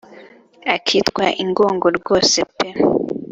akitwa ingongo rwose pe